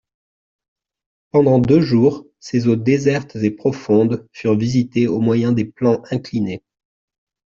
Pendant deux jours, ces eaux désertes et profondes furent visitées au moyen des plans inclinés.